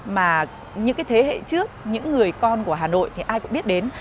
mà những cái thế hệ trước những người con của hà nội thì ai cũng biết đến